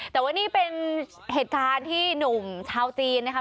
แต่ว่านี่เป็นเหตุการณ์ที่หนุ่มชาวจีนนะครับ